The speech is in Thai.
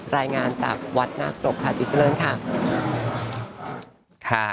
รายงานจากวัดนาตรกที่เสลิร์นค่ะ